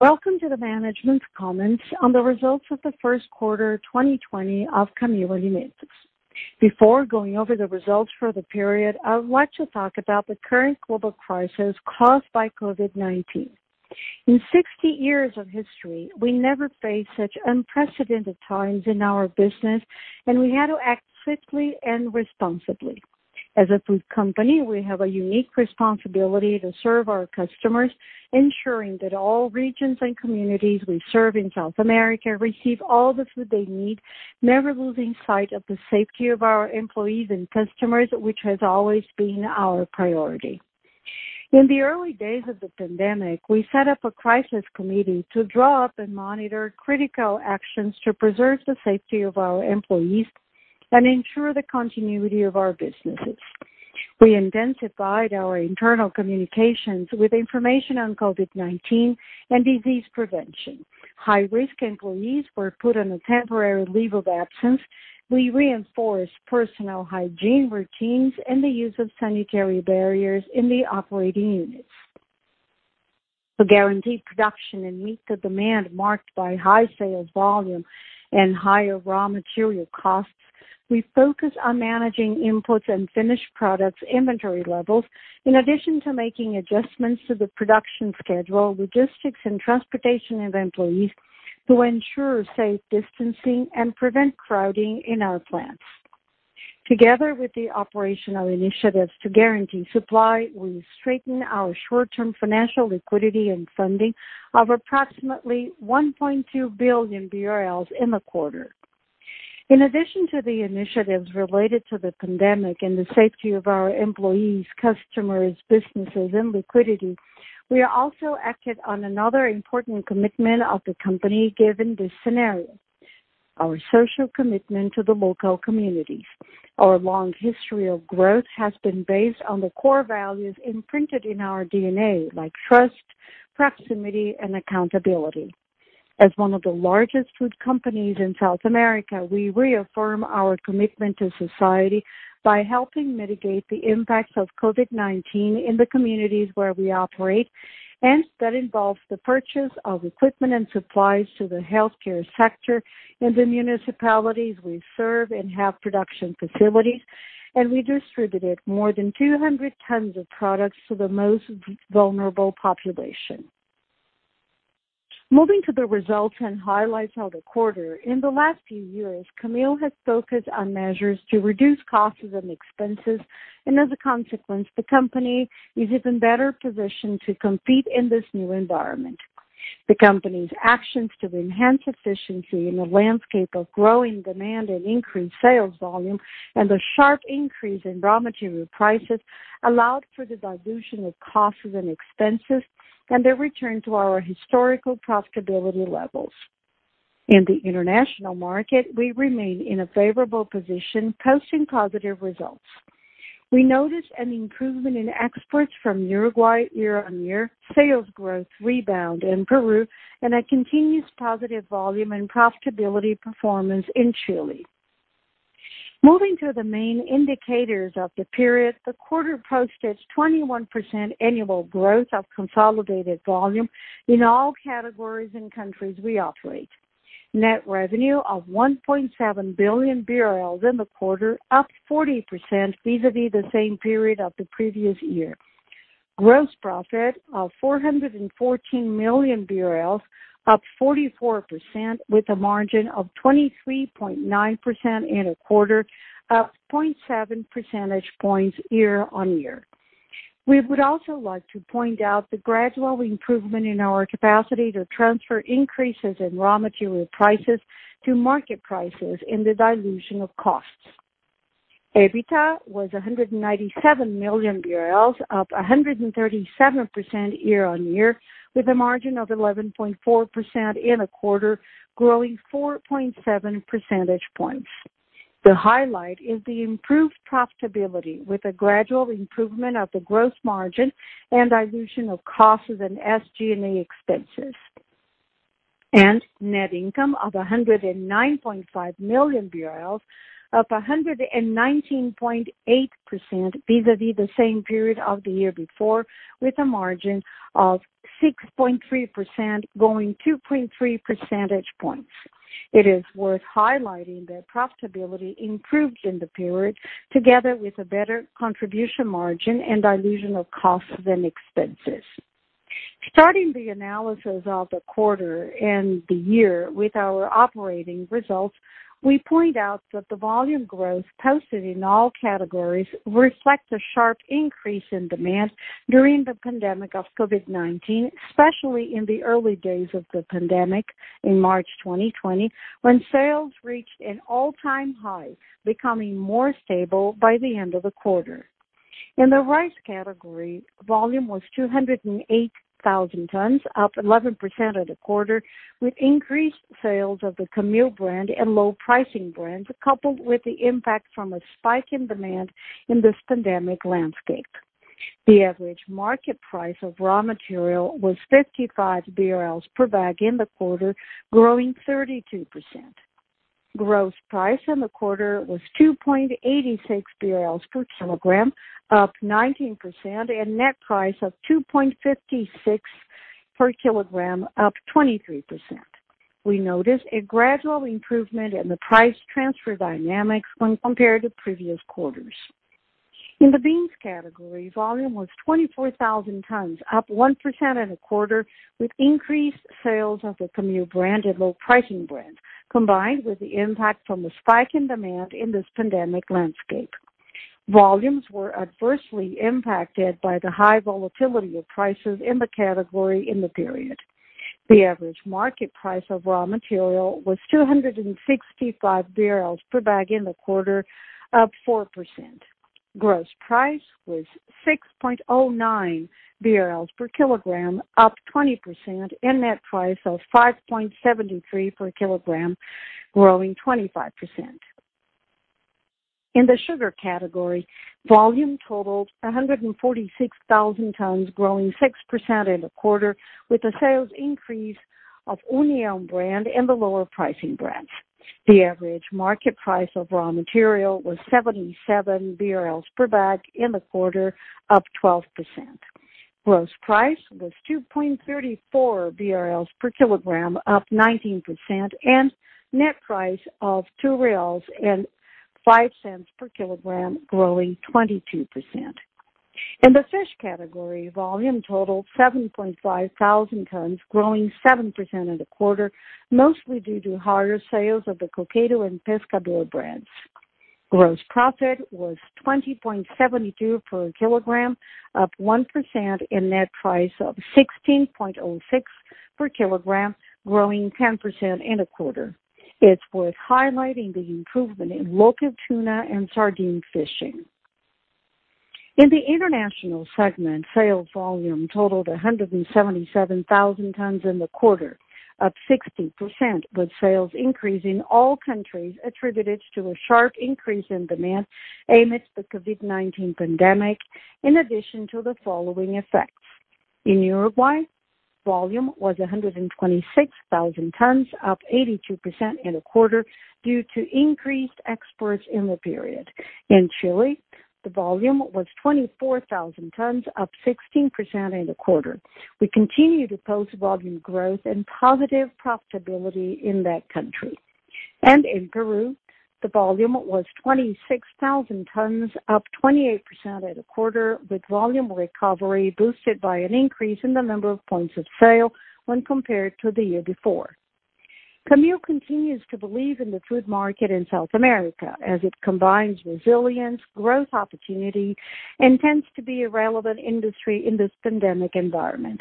Welcome to the management's comments on the results of the first quarter 2020 of Camil Alimentos. Before going over the results for the period, I would like to talk about the current global crisis caused by COVID-19. In 60 years of history, we never faced such unprecedented times in our business, and we had to act quickly and responsibly. As a food company, we have a unique responsibility to serve our customers, ensuring that all regions and communities we serve in South America receive all the food they need, never losing sight of the safety of our employees and customers, which has always been our priority. In the early days of the pandemic, we set up a crisis committee to draw up and monitor critical actions to preserve the safety of our employees and ensure the continuity of our businesses. We intensified our internal communications with information on COVID-19 and disease prevention. High-risk employees were put on a temporary leave of absence. We reinforced personal hygiene routines and the use of sanitary barriers in the operating units. For guaranteed production and meet the demand marked by high sales volume and higher raw material costs, we focused on managing inputs and finished products inventory levels, in addition to making adjustments to the production schedule, logistics, and transportation of employees to ensure safe distancing and prevent crowding in our plants. Together with the operational initiatives to guarantee supply, we strengthened our short-term financial liquidity and funding of approximately 1.2 billion BRL in the quarter. In addition to the initiatives related to the pandemic and the safety of our employees, customers, businesses and liquidity, we also acted on another important commitment of the company given this scenario. Our social commitment to the local communities. Our long history of growth has been based on the core values imprinted in our DNA, like trust, proximity, and accountability. As one of the largest food companies in South America, we reaffirm our commitment to society by helping mitigate the impacts of COVID-19 in the communities where we operate, and that involves the purchase of equipment and supplies to the healthcare sector in the municipalities we serve and have production facilities, and we distributed more than 200 tons of products to the most vulnerable population. Moving to the results and highlights of the quarter. In the last few years, Camil has focused on measures to reduce costs and expenses, and as a consequence, the company is even better positioned to compete in this new environment. The company's actions to enhance efficiency in the landscape of growing demand and increased sales volume and the sharp increase in raw material prices allowed for the dilution of costs and expenses and a return to our historical profitability levels. In the international market, we remain in a favorable position, posting positive results. We noticed an improvement in exports from Uruguay year-over-year, sales growth rebound in Peru, a continuous positive volume and profitability performance in Chile. Moving to the main indicators of the period. The quarter posted 21% annual growth of consolidated volume in all categories and countries we operate. Net revenue of 1.7 billion in the quarter, up 40% vis-a-vis the same period of the previous year. Gross profit of 414 million BRL, up 44%, with a margin of 23.9% in the quarter, up 0.7 percentage points year-over-year. We would also like to point out the gradual improvement in our capacity to transfer increases in raw material prices to market prices in the dilution of costs. EBITDA was BRL 197 million, up 137% year-on-year with a margin of 11.4% in the quarter, growing 4.7 percentage points. The highlight is the improved profitability with a gradual improvement of the gross margin and dilution of costs and SG&A expenses. Net income of 109.5 million BRL, up 119.8% vis-a-vis the same period of the year before, with a margin of 6.3%, growing 2.3 percentage points. It is worth highlighting that profitability improved in the period together with a better contribution margin and dilution of costs and expenses. Starting the analysis of the quarter and the year with our operating results, we point out that the volume growth posted in all categories reflect a sharp increase in demand during the pandemic of COVID-19, especially in the early days of the pandemic in March 2020, when sales reached an all-time high, becoming more stable by the end of the quarter. In the rice category, volume was 208,000 tons, up 11% of the quarter, with increased sales of the Camil brand and low pricing brands, coupled with the impact from a spike in demand in this pandemic landscape. The average market price of raw material was 55 BRL per bag in the quarter, growing 32%. Gross price in the quarter was 2.86 BRL per kilogram, up 19%, and net price of 2.56 per kilogram, up 23%. We notice a gradual improvement in the price transfer dynamics when compared to previous quarters. In the beans category, volume was 24,000 tons, up 1% in the quarter, with increased sales of the Camil brand and low pricing brand, combined with the impact from the spike in demand in this pandemic landscape. Volumes were adversely impacted by the high volatility of prices in the category in the period. The average market price of raw material was 265 per bag in the quarter, up 4%. Gross price was 6.09 BRL per kilogram, up 20%, and net price of 5.73 per kilogram, growing 25%. In the sugar category, volume totaled 146,000 tons, growing 6% in the quarter, with a sales increase of own brand and the lower pricing brands. The average market price of raw material was 77 BRL per bag in the quarter, up 12%. Gross price was 2.34 BRL per kilogram, up 19%, and net price of 2.05 reais per kilogram, growing 22%. In the fish category, volume totaled 7,500 tons, growing 7% in the quarter, mostly due to higher sales of the Coqueiro and Pescador brands. Gross profit was 20.72 per kilogram, up 1%, and net price of 16.06 per kilogram, growing 10% in the quarter. It's worth highlighting the improvement in local tuna and sardine fishing. In the international segment, sales volume totaled 177,000 tons in the quarter, up 60%, with sales increase in all countries attributed to a sharp increase in demand amidst the COVID-19 pandemic, in addition to the following effects. In Uruguay, volume was 126,000 tons, up 82% in the quarter, due to increased exports in the period. In Chile, the volume was 24,000 tons, up 16% in the quarter. We continue to post volume growth and positive profitability in that country. In Peru, the volume was 26,000 tons, up 28% in the quarter, with volume recovery boosted by an increase in the number of points of sale when compared to the year before. Camil continues to believe in the food market in South America as it combines resilience, growth opportunity, and tends to be a relevant industry in this pandemic environment.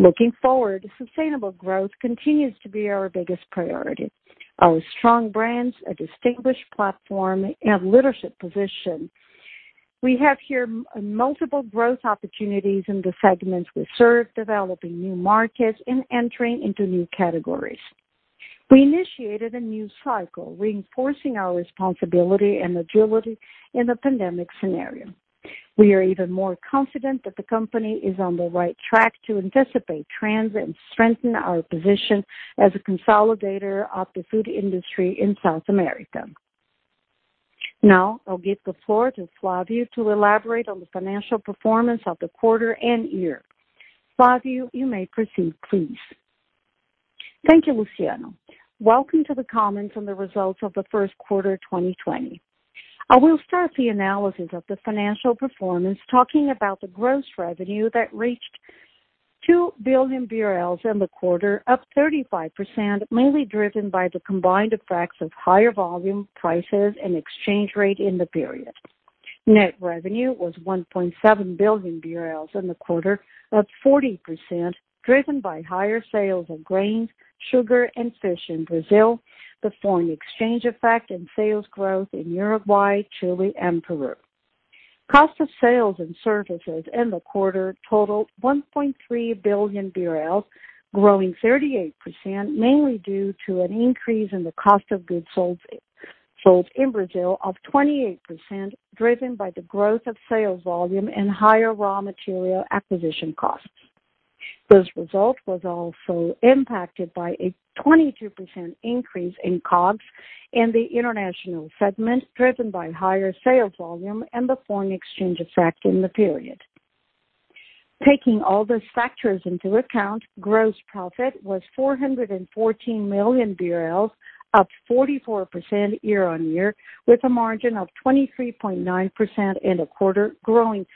Looking forward, sustainable growth continues to be our biggest priority. Our strong brands, a distinguished platform, and leadership position. We have here multiple growth opportunities in the segments we serve, developing new markets and entering into new categories. We initiated a new cycle, reinforcing our responsibility and agility in the pandemic scenario. We are even more confident that the company is on the right track to anticipate trends and strengthen our position as a consolidator of the food industry in South America. I'll give the floor to Flavio to elaborate on the financial performance of the quarter and year. Flavio, you may proceed, please. Thank you, Luciano. Welcome to the comments on the results of the first quarter, 2020. I will start the analysis of the financial performance talking about the gross revenue that reached 2 billion BRL in the quarter, up 35%, mainly driven by the combined effects of higher volume, prices, and exchange rate in the period. Net revenue was 1.7 billion BRL in the quarter, up 40%, driven by higher sales of grains, sugar, and fish in Brazil, the foreign exchange effect and sales growth in Uruguay, Chile, and Peru. Cost of sales and services in the quarter totaled 1.3 billion BRL, growing 38%, mainly due to an increase in the cost of goods sold in Brazil of 28%, driven by the growth of sales volume and higher raw material acquisition costs. This result was also impacted by a 22% increase in COGS in the international segment, driven by higher sales volume and the foreign exchange effect in the period. Taking all these factors into account, gross profit was 414 million BRL, up 44% year-over-year, with a margin of 23.9% in the quarter growing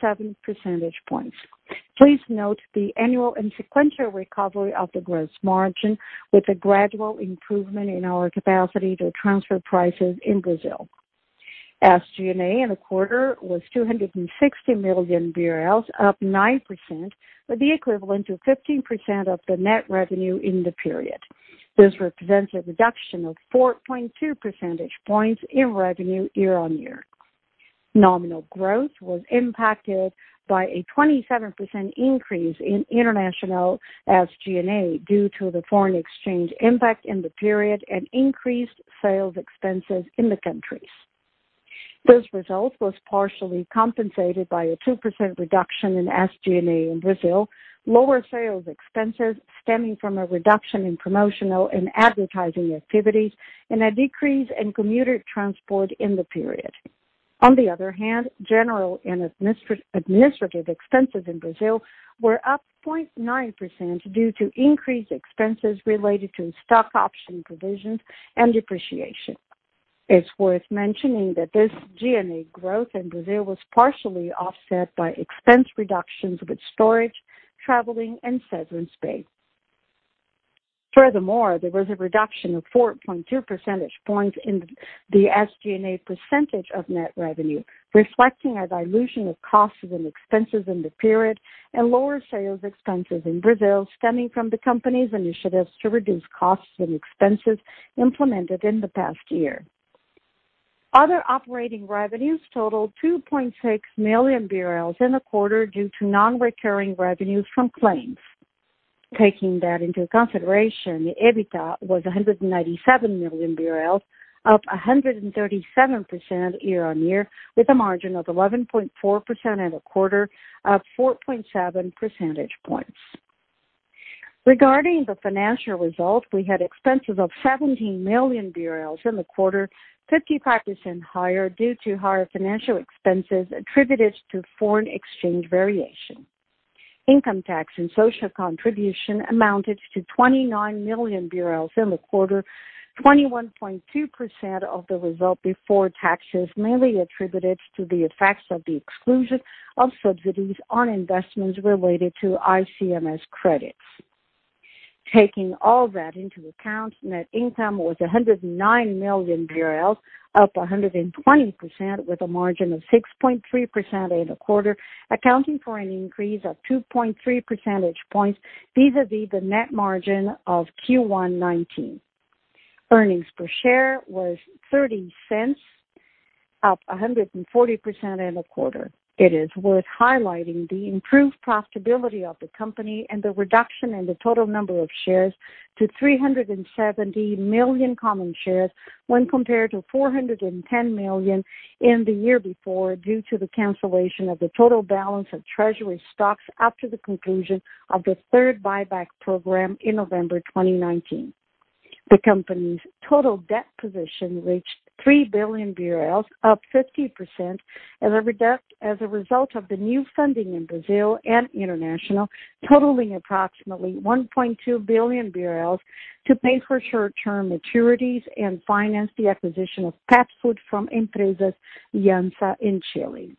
0.7 percentage points. Please note the annual and sequential recovery of the gross margin with a gradual improvement in our capacity to transfer prices in Brazil. SG&A in the quarter was 260 million BRL, up 9%, or the equivalent of 15% of the net revenue in the period. This represents a reduction of 4.2 percentage points in revenue year-on-year. Nominal growth was impacted by a 27% increase in international SG&A due to the foreign exchange impact in the period and increased sales expenses in the countries. This result was partially compensated by a 2% reduction in SG&A in Brazil, lower sales expenses stemming from a reduction in promotional and advertising activities, and a decrease in commuter transport in the period. On the other hand, general and administrative expenses in Brazil were up 0.9% due to increased expenses related to stock option provisions and depreciation. It's worth mentioning that this G&A growth in Brazil was partially offset by expense reductions with storage, traveling, and severance pay. Furthermore, there was a reduction of 4.2 percentage points in the SG&A percentage of net revenue, reflecting a dilution of costs and expenses in the period and lower sales expenses in Brazil stemming from the company's initiatives to reduce costs and expenses implemented in the past year. Other operating revenues totaled 2.6 million in the quarter due to non-recurring revenues from claims. Taking that into consideration, the EBITDA was 197 million BRL, up 137% year-on-year, with a margin of 11.4% in the quarter, up 4.7 percentage points. Regarding the financial results, we had expenses of 17 million BRL in the quarter, 55% higher due to higher financial expenses attributed to foreign exchange variation. Income tax and social contribution amounted to 29 million BRL in the quarter, 21.2% of the result before taxes, mainly attributed to the effects of the exclusion of subsidies on investments related to ICMS credits. Taking all that into account, net income was 109 million BRL, up 120%, with a margin of 6.3% in the quarter, accounting for an increase of 2.3 percentage points vis-a-vis the net margin of Q1 2019. Earnings per share was 0.30, up 140% in the quarter. It is worth highlighting the improved profitability of the company and the reduction in the total number of shares to 370 million common shares when compared to 410 million in the year before due to the cancellation of the total balance of treasury stocks after the conclusion of the third buyback program in November 2019. The company's total debt position reached 3 billion BRL, up 50%, as a result of the new funding in Brazil and international, totaling approximately 1.2 billion BRL to pay for short-term maturities and finance the acquisition of pet food from Empresas Iansa in Chile.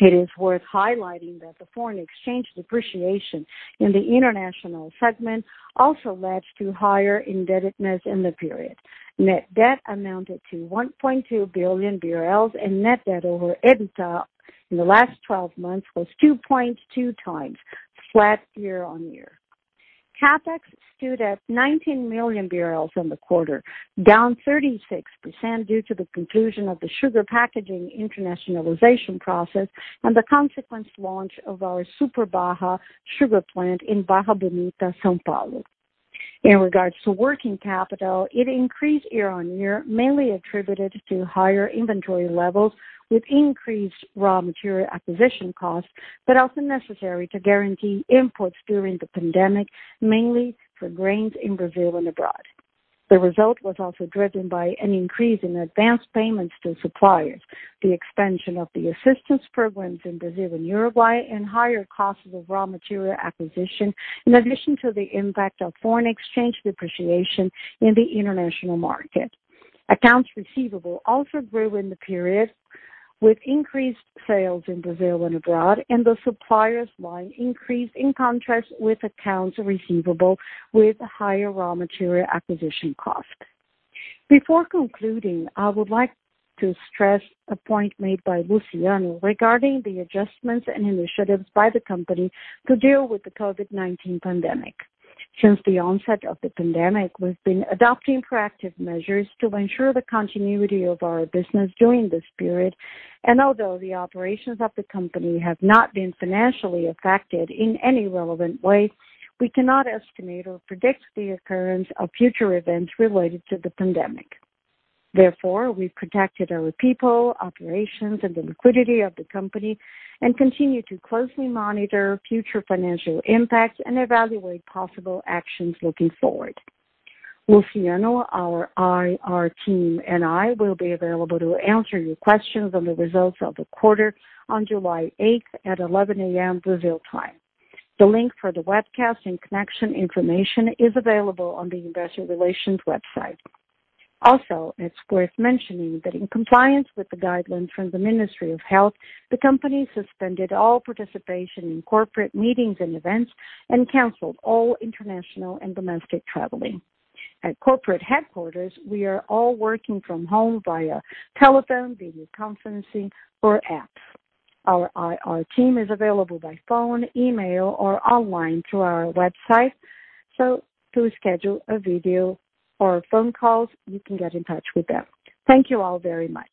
It is worth highlighting that the foreign exchange depreciation in the international segment also led to higher indebtedness in the period. Net debt amounted to 1.2 billion BRL and net debt over EBITDA in the last 12 months was 2.2 times flat year-on-year. CapEx stood at 19 million in the quarter, down 36% due to the conclusion of the sugar packaging internationalization process and the consequent launch of our Super Barra sugar plant in Barra Bonita, São Paulo. In regards to working capital, it increased year-on-year, mainly attributed to higher inventory levels with increased raw material acquisition costs, but also necessary to guarantee imports during the pandemic, mainly for grains in Brazil and abroad. The result was also driven by an increase in advanced payments to suppliers, the expansion of the assistance programs in Brazil and Uruguay, and higher costs of raw material acquisition, in addition to the impact of foreign exchange depreciation in the international market. Accounts receivable also grew in the period, with increased sales in Brazil and abroad, and the suppliers line increased in contrast with accounts receivable with higher raw material acquisition cost. Before concluding, I would like to stress a point made by Luciano regarding the adjustments and initiatives by the company to deal with the COVID-19 pandemic. Since the onset of the pandemic, we've been adopting proactive measures to ensure the continuity of our business during this period. Although the operations of the company have not been financially affected in any relevant way, we cannot estimate or predict the occurrence of future events related to the pandemic. Therefore, we protected our people, operations, and the liquidity of the company and continue to closely monitor future financial impacts and evaluate possible actions looking forward. Flavio, Luciano, our IR team, and I will be available to answer your questions on the results of the quarter on July 8th at 11:00 A.M. Brazil time. The link for the webcast and connection information is available on the investor relations website. It's worth mentioning that in compliance with the guidelines from the Ministry of Health, the company suspended all participation in corporate meetings and events and canceled all international and domestic traveling. At corporate headquarters, we are all working from home via telephone, video conferencing, or apps. Our IR team is available by phone, email, or online through our website. To schedule a video or phone calls, you can get in touch with them. Thank you all very much.